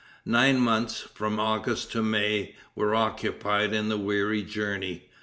Nine months, from August to May, were occupied in the weary journey.